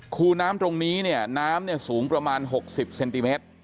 คูน้ำตรงนี้เนี่ยน้ำเนี่ยสูงประมาณ๖๐เซนติเมตร